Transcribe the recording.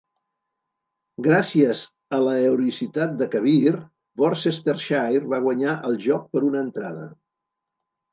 Gràcies a l'heroïcitat de Kabir, Worcestershire va guanyar el joc per una entrada.